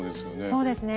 そうですね。